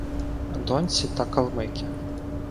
- Донці та калмики.